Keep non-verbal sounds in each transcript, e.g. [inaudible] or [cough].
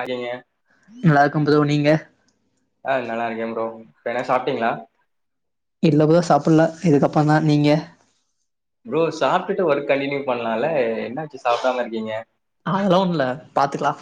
ஆயிங்க நல்லா இருக்கே ப்ரோ நீங்க ஆ நல்லா இருக்கே ப்ரோ இப்ப என்ன சாப்ட்டீங்களா இல்ல புரோ சாப்பிடல இதுக்கப்புற தா நீங்க ப்ரோ சாப்ட்டுட்டு ஒர்க் கண்டினியூ பண்ணலால என்ன ஆச்சு சாப்டாம இருக்கீங்க அதெல்லா ஒண்ணு இல்ல பாத்துக்கலா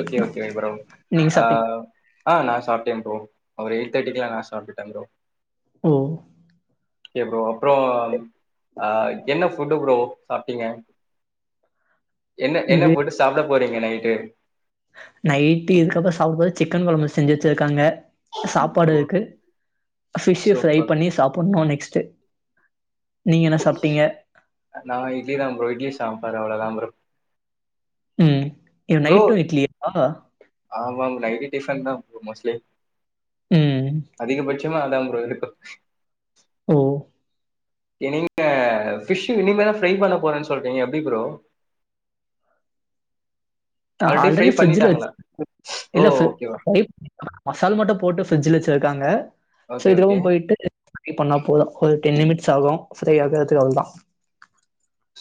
ஓகே ஓகே ப்ரோ அ சாப்பிட்டீங்க ஆ சாப்ட்டே ப்ரோ ஒரு எயிட் தேட்டிக்குல்லா நா சாப்டுட்ட ப்ரோ ஓ ஓகே ப்ரோ அப்புற அ என்ன ஃபுட்டு ப்ரோ சாப்ட்டீங்க என்ன என்ன ஃபுட்டு சாப்ட போறீங்க நைட்டு நைட்டு் இதுக்கப்புற சாப்பிடு போது சிக்கன் கொழம்பு செஞ்சு வச்சிருக்காங்க சாப்பாடு ஓ இருக்கு ஃபிஷு ஃரை சூப்பர். பண்ணி சாப்டணும் நெக்ஸ்ட் செரி நா இட்லிதா ப்ரோ இட்லி சாம்பார் அவ்வளதா ப்ரோ ம் இவ நைட்டு இட்லியா ஆமாங் நைட்டு டிஃபன் தா மோஸ்ட்லி ம் அதிகபட்ச க்கமா அதா ப்ரோ இருக்கு ஓ இனிங்க ஃபிஷ்ஷு இனிமே தா ஃப்ரை பண்ண போறேன்னு சொல்றீங்க எப்பிடி ப்ரோ ஃப்ரை ஆல்ரெடி ஃப்ரிட்ஜ்ல பண்ணிட்டாங்களா? வச்சி ஓ! இல்ல ஃபி ஓகே, ஓ ஃப்ரை மசால் மட்டு போட்டு ஃப்ரிட்ஜுல வச்சு ருக்காங்க சோ ஓகே, இது ஓகே. ரவும் போயிட்டு பண்ணா போது ஒரு டென் நிமிட்ஸ் ஆகும் ஃப்ரை ஆகறதுக்கு அவளோதா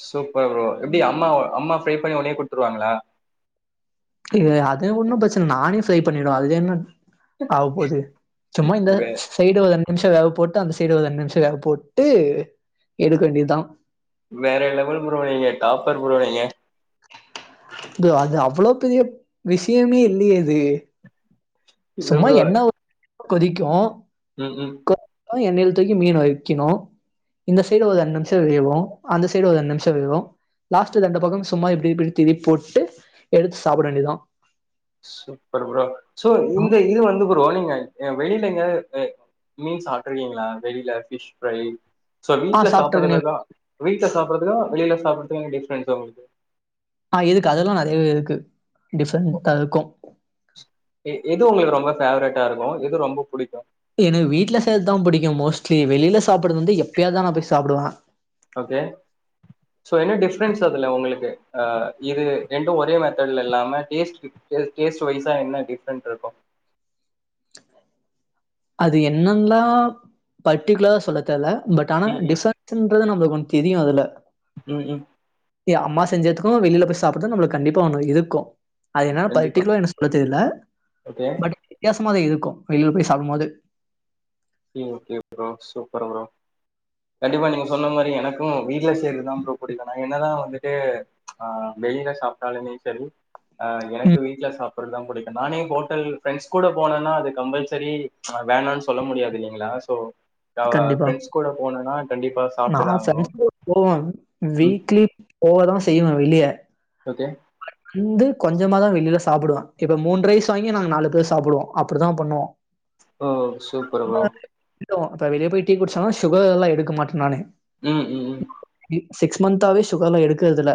சூப்பர் ப்ரோ எப்பிடி அம்மா அம்மா ஃப்ரை பண்ணி ஒடனே குடுத்துருவாங்களா ல்ல அது ஒன்னு பிரச்சனை நானே ஃப்ரை பண்ணிடுவே அதுல என்ன ஆவப் போது சும்மா இந்த வே சைடு வந் நிமிஷ வேகப் போட்டு அந்த சைடு ஒரு ரெண்டு நிமிஷம் வேக போட்டு எடுக்க வேண்டியதா வேற லெவல் ப்ரோ நீங்க டாப்பர் ப்ரோ நீங்க இது அது அவ்வள பெரிய விஷயமே இல்லையே இது இல்ல சும்மா ப்ரோ எண்ணெ ஊத்தி கொதிக்கு ம் ம் என்ண்ணெயில தூக்கி மீன வைக்கணு இந்த சைடு ஒரு ரெண்டு நிமிஷ வேகு அந்த சைடு ஒரு ரெண்டு நிமிஷம் வேகு லாஸ்ட்டு ரெண்டு பக்கம் சும்மா இப்பிடி இப்பிடி திரிப் போட்டு எடுத்து சாப்பிட வேண்டியதா சூப்பர் ப்ரோ சோ இந்த இது வந்து ப்ரோ நீங்க அ வெளி ல எங்கயாது மீன் சாப்ட்றுக்கீங்ளா வெளில ஃபிஷ் ஃப்ரை சோ ஆ வீட்ல சாப்ட்ருக்கனே சாப்பற்ததா வீட்ல சாப்பற்துக்கோ வெளில சாப்பற்துக்கான டிஃப்ரென்ஸ்ஸு உங்களுக்கு அ இருக்கு அதெல்லா நெறையவே இருக்கு டிஃப்ரெண்டாருக்கு எ எது உங்களுக்கு ரொம்ப ஃபேவரட்டாருக்கு எது ரொம்ப புடிக்கு எனக்கு வீட்டுல செய்ற்தா புடிக்கு மோஸ்ட்லி வெளில சாப்பிடுறது வந்து எப்பயாவதா நா போய் சாப்டுவ ஓகே சோ என்ன டிஃப்ரென்ஸ் அதுல உங்களுக்கு அ இது ரெண்டு ஒரே மெத்தட்ல இல்லாம டேஸ்ட்க்கு டே டேஸ்ட்டு வய்ஸா என்ன டிஃப்ரென்ட்ருக்கோ அது என்னன்ல்லா பர்டிக்குலரா சொல்ல தெர்ல பட் ஆனா ம் ம் டிஃபரன்ஸ்ன்றது நம்மளுக் ஒன் தெரியு அதுல ம் ம் எ அம்மா செஞ்சதுக்கு வெளில போய் சாப்புட்றது நம்மளுக்கு கண்டிப்பா ஒன்னு இருக்கு அது என்னால கண்டிப்பா பர்ட்டிக்குலரா எனக் சொல்ல தெரில ஓகே பட் வித்தியாசமாக இருக்கு வெளில போய் சாப்டும் போது okay okay bro super bro கண்டிப்பா நீங்க சொன்ன மாரி எனக்கு வீட்டுல செய்றதுதா ப்ரோ புடிக்கு நா என்னதா வந்துட்டு அ வெளில ல சாப்ட்டாலுமே செரி அ எனக்கு ம். வீட்ல சாப் றதுதா புடிக்கு நானே ஹோட்டல் ஃப்ரெண்ட்ஸ் கூட போனன்னா அது கம்பல்செரி வேணான் சொல்ல முடியாத் து இல்லீங்களா சோ கண்டிப்பா கூட போனேன்னா கண்டிப்பா நா சாப்ட்டுதா சனி ஆகணும் கெழம போவ ம் வீக்லி போவதா செய்வ வெளிய ஓகே ந்து கொஞ்சமா தா வெளில சாப்புடுவ இப்ப மூண் ரைஸ் வாங்கி நாங்க நாலு பேர் சாப்புடுவோ அப்டி தா பண்ணுவோ ஓ சூப்பர் ப்ரோ அப்றோ இப்ப வெளிய போய் டீ குடிச்சாலு சுகர்லா எடுக்க மாட்ட நானு ம் ம் ம் சிக்ஸ் மன்ந்த்தாவே சுகர்லா எடுக்குறதில்ல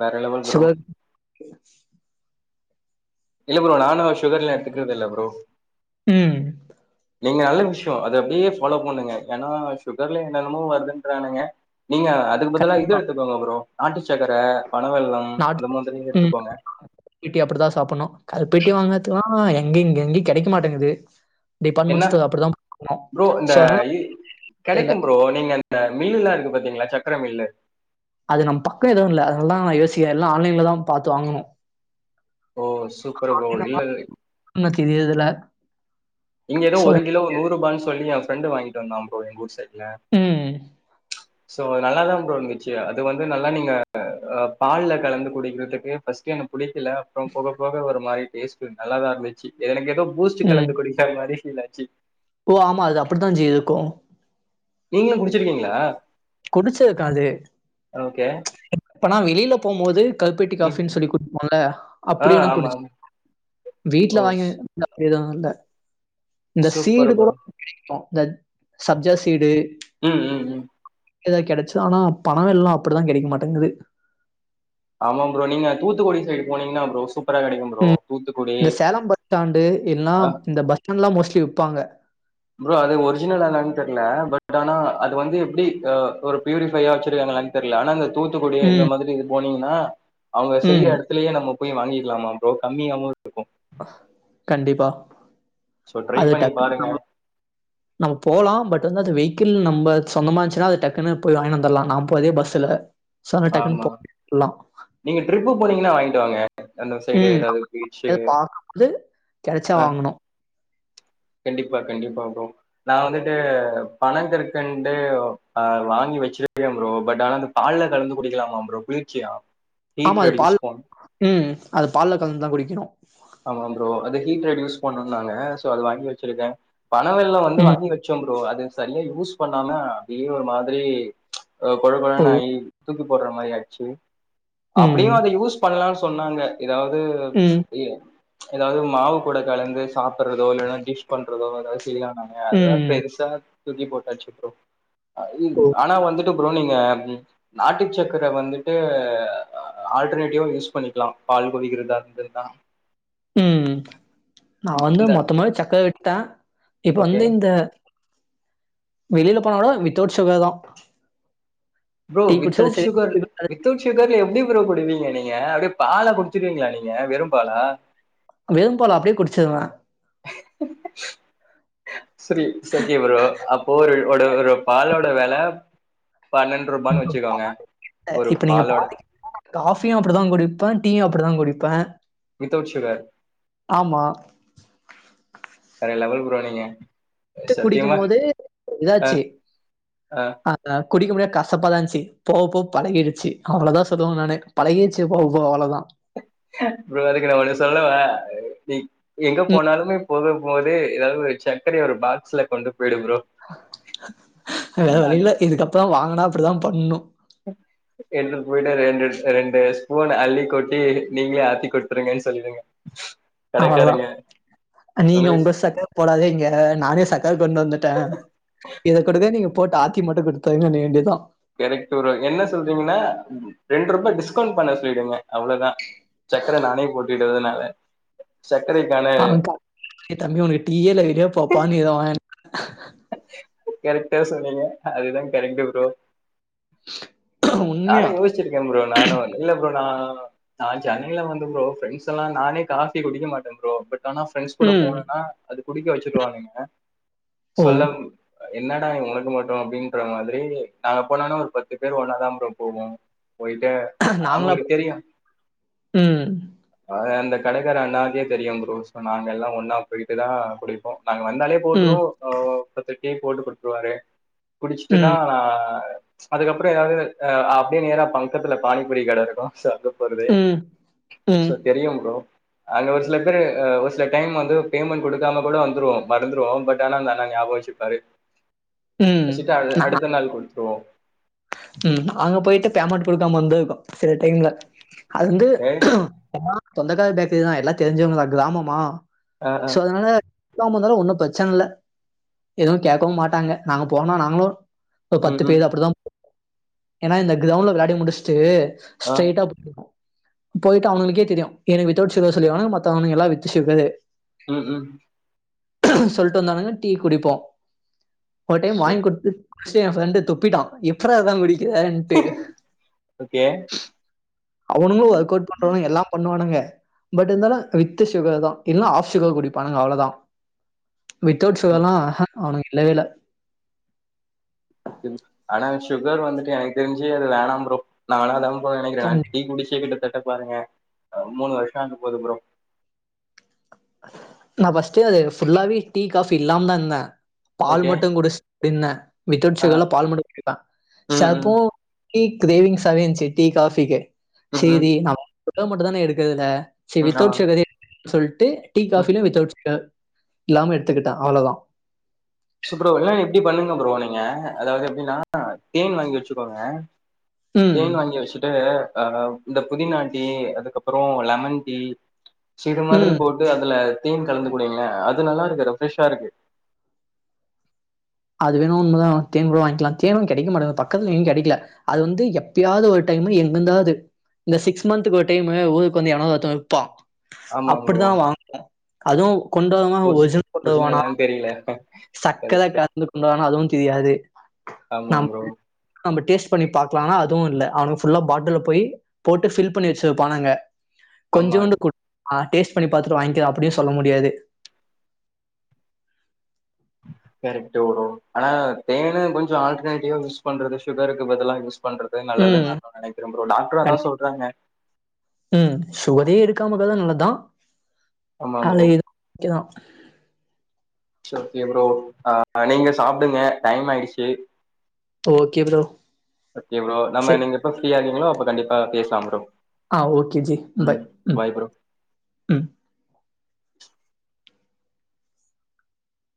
வேற லெவல் ப்ரோ இல்ல ப்ரோ நானு சுகர்லா எடுத்துக்கறதில்ல ப்ரோ ம் நீங்க நல்ல விஷயோ அத அப்டியே ஃபாலோ பண்ணுங்க ஏன்னா சுகர்ல என்னென்னமோ வருதுன்றானுங்க நீங்க அதுக்கு பதுல்லா இது கண்டிப்பா எடுத்துக்கோங்க ப்ரோ நாட்டுச்ச சக்கர பனவெள்ளம் அந்த மாதிரி எடுத்துக்கோங்க இப்பிய அப்டிதா சாப்புட்ணோ கருப்பட்டி வாங்கறதுகுல்லா எங்க இங்க எங்கயு கெடைக்க மாட்டங்குது என்ன டிபார்ட்மெண்ட் ஸ்டோர் அப்படிதாங் ப்ரோ இந்த இல்ல கெடைக்கு ப்ரோ நீங்க அந்த மில்லா இருக்கு பாத்தீங்ளா சக் கர மில்லு அது நம் பக்க எதுவு இல்ல அதனாலதா நா யோசிக்குற எல்லா ஆன்லைன்ல தா பாத்து வாங்குணு ஓ சூப்பர் ப்ரோ இல்ல உனக்கு இது ஏதுல இங்க ஏதோ ஒரு கிலோ நூறு ரூபான் சொல்லி எ ஃப்ரெண்டு வாங்கிட்டு வந்தா ப்ரோ எங்க ஊரு சைடு ம் சோ நல்லா தா ப்ரோ இருந்துச்சி அது வந்து நல்லா நீங்க பால்ல கலந்து குடிக்கிறதுக்கு ஃபர்ஸ்ட்டு எனக் புடிக்கல அப்றோ போக போக ஒரு மாரி டேஸ்ட் கொஞ்சோ நல்லா தா இருந்துச்சி எனக்கு ஏதோ பூஸ்ட் ம் கலந்து குடிக் கே ஃபீல்லாச்சி ஓ ஆமா அது அப்டித்தா ஜி இருக்கோ நீங்களு குடிச்சிருக்கீங்ளா குடிச்சிருக்கா அது அ இப்ப நா வெளில போம்போது கல்பெட்டி காஃபின்னு சொல்லி குடுப்போல்ல ஆ அப்டி நா ஆமா குடிச் ஆமா வீட்ல ஓ வாங்கி எது இல்ல இந்த சீடு சூப்பர் கூட ப்ரோ இந்த சப்ஜா சீடு ம் ம் ம் எதாது கெடச்சா ஆனா பணவெல்லோ அப்டிலா கெடைக்க மாட்டேங்குது ஆமா ப்ரோ நீங்க தூத்துக்குடி சைடு போனீங்கன்னா ப்ரோ சூப் ம் இந்த சேலோ பஸ்டாண்டு இல்லனா அ இந்த பஸ்டாண்ட்லா மோஸ்ட்லி விப்பாங்க ப்ரோ அது ஒரிஜினலா என்னென் தெர்ல பட் ஆனா அது வந்து எப்டி ஒரு பியூரிஃபையா வச்சிருக்காங்கலா னா தெர்ல ஆனா இந்த தூத்துக்குடி இந்த ம், மாதிரி இது போனீங்கன்னா அவங்க செய்யற ம். எடத்துலயே நம்ப போய் வாங்கிற்லாமா ப்ரோ கம்மியாகவு இருக்கு கண்டிப்பா சோ ட்ரை அது பண்ணி டக்குனு பாருங்க ஆமா நம்ப போலாம் பட் அது வந்து அது வெஹிகிள் நம்ப சொந்தமா இன்ச்சுன்னா அது டக்குன்னு போய் வாங்கிட் வந்தர்லா நா போனதே பஸ்ல ஆமா நீங்க ட்ரிப்பு போனீங்கன்னா வாங்கிட்டு வாங்க அந்த சைடு ம். எதாவது பீச்சு எப்பயாவது பாக்கும்போது கெடைச்சா ஆ வாங்கணும். கண்டிப்பா கண்டிப்பா ப்ரோ நா வந்துட்டு பண கற்கண்டு வாங்கி வச் சிர்க்கே ப்ரோ பட் ஆனா அது பால்ல கலந்து குடிக்கலாமா ப்ரோ குளிர்ச்சியா ஆமா ஹீட் அது ரெடியூஸ் பால் பண்ணு ம் அது பால்ல கலந்து தா குடிக்கனு ஆமா ப்ரோ அது ஹீட்ட ரெடியூஸ் பண்ணுதானே சோ அத வாங்கி வச்சிருக்கே பணவெல்லோ வந்து ம். வாங்கி வச்சோம் ப்ரோ அது சரியா யூஸ் பண்ணாம அப்டியே ஒரு மாதிரி கொழ ஓ! கொழனு ஆயி தூக்கி போட்ற மாரி ஆச்சு ம். அப்டியு அத யூஸ் பண்லானு சொன்னாங்க எதாவது ம். எதாவது மாவு கூட கலந்து சாப்பட்றதோ இல்லன்னா டிஷ் பண்றதோ எதாவது செய்லானாங்க அத ம். பெருசா தூக்கி போட்டாச்சி ப்ரோ ஓ! ஆனா வந்துட்டு ப்ரோ நீங்க நாட்டு சக்கர வந்துட்டு ஆல்டர்னேட்டிவா யூஸ் பண்ணிக்லா பால் குடிக்கறதா இருந்திருந்தா ம் நா வந்து இந்த மொத்தமா சக்கரை விட்டே இப்ப ஓகே வந்து இந்த வெளில போனா குட வித்தவுட் சுகர் தா ப்ரோ வித்தவுட் சுகர் வித்தவுட் சுகர்ல எப்டி ப்ரோ குடிப்பீங்க நீங்க அப்டியே பால குடிச்சிருவீங்களா நீங்க வெறு பாலா வெறு பால அப்டியே குடிச்சிருவே சரி இட்ஸ் ஓகே ப்ரோ அப்போ ஒரு ஒரு ஒரு பாலோட வெல பன்னெண்டு ரூபான்னு வச்சுக்கோங்க ஒரு இப்ப நீங்க பாலோட பாத்திங்கன்னா காஃபியு அப்டிதா குடிப்பே டீயு அப் டிதா குடிப்பே வித்தவுட் சுகர் ஆமா வேற லெவல் ப்ரோ நீங்க [unintelligible] குடிக்கும் சத்தியமா போது அ இதாச்சி அ ஆ குடிக்க முடியா கசப்பாதா இருன்ச்சு போகப்போ பழகிருச்சி அவ்ளோதா சொல்லுவே நானு பழகிருச்சினு குட சொல்லலா ப்ரோ அதுக்கு நா ஒன்னு சொல்லவா எ எங்க ம். போனாலுமே போது போது எதாவது ஒரு சர்க்கரைய ஒரு பாக்ஸ்ல கொண்டு போயிடு ப்ரோ வேற அது இல்ல இதுக்கப்றோ வாங்குனா அப்டிதா பண்ணு வெளில பொயிட்டா ரெண்டு ரெண்டு ஸ்பூன் அள்ளி கொட்டி நீங்களே ஆத்தி குடுத்துருங்கன்னு சொல்லிடுங்க கடைக்காரங்க அவ்வளோதான். நீங்க ஒங்க உங்களுக்கு சக்கர போடாதிங்க நானே சக்கர கொண்டு வந்துட்டே இத குடுக்க நீங்க போட்டு ஆத்தி மட்டு குடுத்தாங்க சொல்ல வேண்டிதா கரெக்ட்டு ப்ரோ என்ன சொல்றீங்கன்னா ரெண்ருபா டிஸ்கவுண்ட் பண்ண சொல்லிடுங்க அவ்ளோதா சக்கர நானே போட்டுகிட்டதுனால ஆ தா எ தம்பி உனக்கு டீயே இல்ல வெளிய போப்பானு எதோ வாங் கரெக்ட்டா சொன்னீங்க அதுதா கரெக்டு ப்ரோ நானு உண்மையா யோசிச்சிருக்கே ப்ரோ நானு இல்ல ப்ரோ நா நா சென்னைல வந்து ப்ரோ ஃப்ரெண்ட்ஸ் எல்லா நானே காஃபி குடிக்க மாட்டேன் ப்ரோ பட் ஆனா ஃப்ரெண்ட்ஸ் கூட ம் போனேனா அது குடிக்க வச்சுடுவானுங்க ஓ சொல்ல என்னடா இவ உனக்கு மட்டு அப்படின்ற மாதிரி நாங்க போனோனா ஒரு பத்து பேரு ஒன்னாதா ப்ரோ போவோ போயிட்டு நாங்களா அவங்களுக்கு தெரியு ம் அது அந்த கடக்காற அண்ணாக்கே தெரியும் ப்ரோ சோ நாங்க எல்லா ஒன்னா போயிட்டு தா குடிப்போ நாங்க வந்தாலே ம் போட்டுறோ பத்து டீ போட்டு குடுத்துருவாரு குடிச்சிட்டுதா ம் ஆ அதுக்கப்புறோ எதாவது அப்படியே நேரா பக்கத்துல பானிபூரி கடே இருக்கு சோ அது வருது ம் சோ ம் தெரியும் ப்ரோ அங்க ஒரு சில பேர் ஒரு சில டைம் வந்து பேமெண்ட் குடுக்காம கூட வந்துருவோ மறந்துருவோம் பட் தெனோந்தனே ஞாபகோ வெச்சிப்பாரு ம் வெச்சிட்டு அடு அடுத்த நாள் குடுத்துருவோ உம் நாங்க போயிட்டு பேமண்ட் குடுக்காம வந்துருக்கோ சில டைம்ல அது வந்து ஓகே. ஆ சொந்தக்கார பேக்ரிதா எல்லா தெரிஞ்சவங்கதா கிராமமா ஆ, ஆ. சோ அதுனால சொல்லாம வந்தாலு ஒன்னு பிரச்சன இல்ல எதுவு கேட்கவு மாட்டாங்க நாங்க போனா நாங்களு ஒரு ம், பத்து ம். பேர் அப்படிதா ஏன்னா இந்த கிரௌண்ட்ல விளாடி முடிச்சிட்டு ஆ. ஸ்ட்ரெய்ட்டா போயிடுவோ போயிட்டு அவனுகளுக்கே தெரியு எனக்கு வித்தவுட் சுகர் சொல்லிர்வானுங்க மத்தவனுங்க எல்லா வித்து சுகரு ம் ம் சொல்லிட்டு வந்தானுங்க டீ குடிப்போ ஒரு டைம் சோ வாங்கி குடுத்து சிட்டு எ ஃப்ரெண்டு துப்பிட்டா எப்புரா இதெலா குடிக்கிறன்ட்டு ஓகே. அவனுங்களு ஒர்க் அவுட் பண்றவனுங்களு எல்லா பண்ணுவானுங்க பட் இருந்தாலு வித்து சுகர்தா இல்லனா ஆஃப் சுகர் குடிப்பானுங்க அவ்வளோதா வித்தவுட் ம். சுகர்லா ஆ ஆ அவனுங்க இல்லவே இல்ல [unintelligible] ஆனா சுகர் வந்துட்டு எனக்கு தெரிஞ்சு அது வேணாம் ப்ரோ நானு அதாம் ப்ரோ மா நெனைக்குறே கண் டீ குடிச்சே கிட்டதட்ட டா பாருங்க ஆ மூணு வருஷோ ஆக போது ப்ரோ நா பஸ்டே அது ஃபுல்லாவே டீ காபி இல்லாம தா இருந்த பால் ஓகே. மட்டு குடிச் அப்பன்னே விதௌட் ஆ. சுகர்ல பால் மட்டு குடிப்ப ம், ம். சப்போ டீ கிரேவிங்ஸாவ இருந்துச்சு டீ காபிக்கு ம், ம். சேரி நம்ம மட்டு தானே எடுக்கறதுல்ல செரி ம். ஆமா. வித்தவுட் ஷுகர் ஏ எடுத்துக்குரே சொல்லிட்டு டீ ம். காபிலேயு வித்தவுட் ஷுகர் இல்லாம எடுத்துக்கிட்டே அவ்ளவுதா சூ ப்ரோ இல்ல இப்பிடி பண்ணுங்க ப்ரோ நீங்க அதாவது எப்படின்னா தேன் வாங்கி வச்சுக்கோங்க ம் தேன் வாங்கி வச்சுட்டு ஆ இந்த புதினா டீ அதுக்கப்புறோ லெமன் டீ சி மாதிரி ம் போட்டு அதுல தேன் கலந்து குடிங்களே அது நல்லா இருக்கு ரெப்ரெஷ்ஷா இருக்கு அது வேணு உண்ம்தா தேன் கூட வாங்கிக்கலாங் தேனு கெடைக்க மாட்டக்கது பக்கத்துலு எங்கேயு கெடைக்கல அது வந்து எப்பயாவது ஒரு டைமு எங்க இருந்தாவது இந்த சிக்ஸ் மந்த்துக்கு ஒரு டைமு ஊருக்கு வந்து எவனாவது ஒருத்த விப்பா ஆமா ப்ரோ அப்படிதா வாங்குனோ அதுவு கொண்டு வரவ ஒர்ஜி ஒரிஜனல் கொண்டுவனா ஒரிஜினலான்னு தெரியல சக்கர கரெக்ட் கலந்து கொண்டுவருவானா அதுவு தெரியாது ஆமா நம் ப்ரோ நம்ப டேஸ்டு பண்ணி பாக்கலான்னா அதுவு இல்ல அவுனுங்க ஃபுல்லா பாட்டில்ல போயி போட்டு ஃபில் பண்ணி வெச்சுருபானாங்க ஆமா கொஞ்சூண்டு கு ஆ டேஸ்ட் பண்ணி பாத்துட்டு வாங்கிறே அப்பிடியு சொல்ல முடியாது கரெக்டு ப்ரோ ஆனா தேனு கொஞ்சு ஆல்டர்னேட்டிவா யூஸ் பண்றது சுகருக்கு பதிலா பண்றது நல்லது ம் நானு நெனைக்கிரேன் ப்ரோ டாக்டரு அதா கண்டி- சொல்றாங்க ம் சுகரே எடுக்காம இருக்கரது நல்லதுதா ஆமா ஆலே ப்ரோ [unintelligible] சோக்கே ப்ரோ ஆ நீங்க சாப்பிடுங்க டைம் ஆயிடுச்சு ஓகே ப்ரோ. ஓகே ப்ரோ நம்ம சரி. நீங்க எப்ப ஃப்ரீ ஆகீங்களோ அப்ப கண்டிப்பா பேசலா‌ ப்ரோ ஆ ஓகே ஜி பை ம் பாய் ப்ரோ ம்